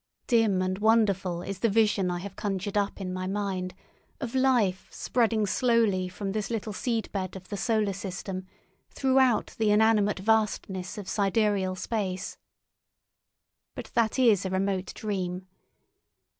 Dim and wonderful is the vision I have conjured up in my mind of life spreading slowly from this little seed bed of the solar system throughout the inanimate vastness of sidereal space. But that is a remote dream.